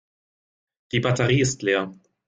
Die Batterie ist leer.